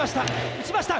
打ちました